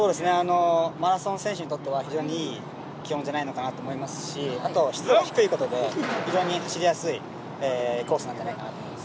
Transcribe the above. マラソン選手にとっては非常にいい気温じゃないのかなと思いますし湿度が低いことで非常に走りやすいコースなんじゃないかと思います。